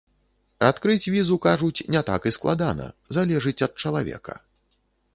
Адкрыць візу, кажуць, не так і складана, залежыць ад чалавека.